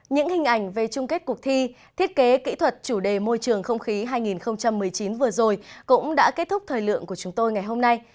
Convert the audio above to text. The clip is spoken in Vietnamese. những hình ảnh về chung kết cuộc thi thiết kế kỹ thuật chủ đề môi trường không khí hai nghìn một mươi chín vừa rồi cũng đã kết thúc thời lượng của chúng tôi ngày hôm nay